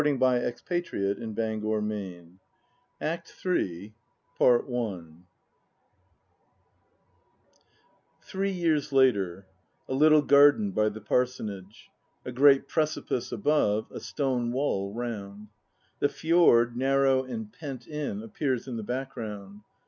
LIBRARY ONIVERSITY Or CALIFORNIA RIVERSIDE ACT THIRD Three years later. A little garden by the Parsonage. A great precipice above, a stone wall round. The fjord, narrow and pent in, appears in the background.